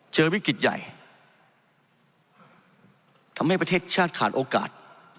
เจอวิกฤตใหญ่ทำให้ประเทศชาติขาดโอกาส